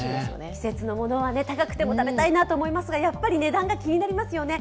季節のものは高くても食べたいなと思いますがやっぱり値段が気になりますよね。